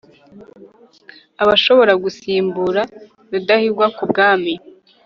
abashobora gusimbura rudahigwa ku bwami